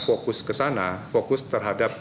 fokus ke sana fokus terhadap